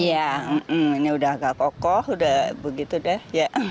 iya ini sudah agak kokoh sudah begitu dah